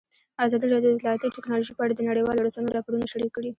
ازادي راډیو د اطلاعاتی تکنالوژي په اړه د نړیوالو رسنیو راپورونه شریک کړي.